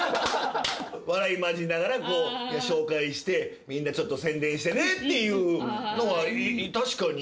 笑い交りながら紹介してみんなちょっと宣伝してねっていうのは確かに。